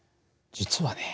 実はね